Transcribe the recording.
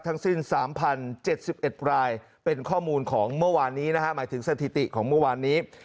ทั้งสิ้น๓๐๗๑รายเป็นข้อมูลของเมื่อวานนี้นะฮะหมายถึงสถิติของเมื่อวานนี้